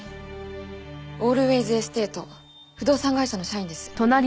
オールウェイズ・エステート不動産会社の社員です。